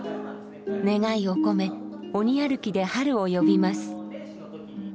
願いを込め鬼歩きで春を呼びます。